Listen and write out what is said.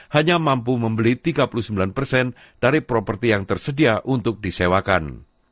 hanya mampu membeli tiga puluh sembilan dari properti yang tersedia untuk disewakan